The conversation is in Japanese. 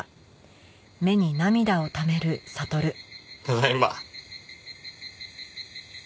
ただいま。